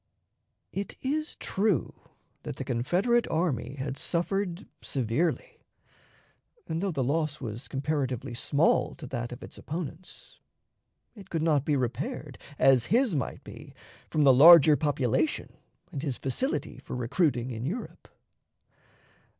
It is true that the Confederate army had suffered severely, and, though the loss was comparatively small to that of its opponents, it could not be repaired, as his might be, from the larger population and his facility for recruiting in Europe.